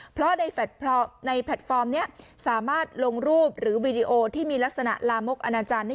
เพราะในแพลตฟอร์มนี้สามารถลงรูปหรือวีดีโอที่มีลักษณะลามกอนาจารย์